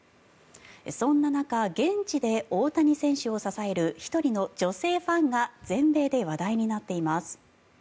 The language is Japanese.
そんな中現地で大谷選手を支える１人の女性ファンが全米で話題になっています。